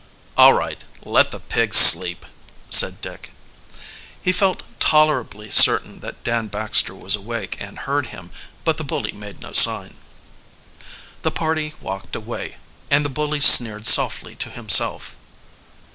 "All right, let the pig sleep," said Dick. He felt tolerably certain that Dan Baxter was awake and heard him, but the bully made no sign. The party walked away, and the bully sneered softly to himself.